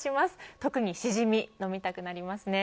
特にシジミ飲みたくなりますね。